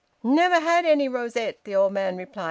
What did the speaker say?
"Never had any rosette," the old man replied.